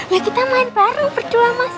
ya kita main paru berdua mas